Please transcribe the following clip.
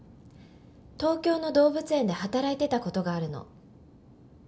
東京の動物園で働いてたことがあるの